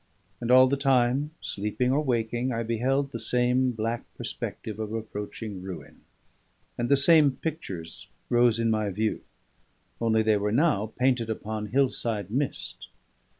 And all the time, sleeping or waking, I beheld the same black perspective of approaching ruin; and the same pictures rose in my view, only they were now painted upon hill side mist.